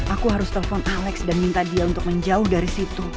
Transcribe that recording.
aku harus telepon alex dan minta dia untuk menjauh dari situ